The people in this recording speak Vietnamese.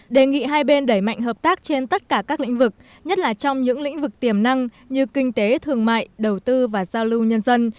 đề nghị hai bên đẩy mạnh hợp tác trên tất cả các lĩnh vực nhất là trong những lĩnh vực tiềm năng như kinh tế thương mại đầu tư và giao lưu nhân dân